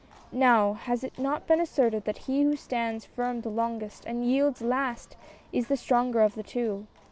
Now, has it not been asserted that he who stands firm the longest — and yields last — is the stronger of the two.